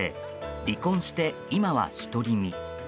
離婚して、今は独り身。